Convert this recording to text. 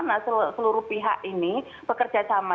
karena seluruh pihak ini bekerja sama